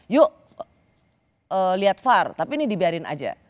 yuk lihat var tapi ini dibiarin aja